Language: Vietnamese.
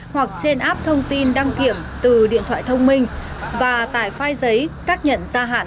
hoặc trên app thông tin đăng kiểm từ điện thoại thông minh và tải file giấy xác nhận gia hạn